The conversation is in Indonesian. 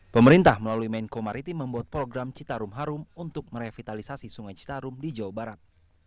pemerintah melalui menko maritim membuat program citarum harum untuk merevitalisasi sungai citarum di jawa barat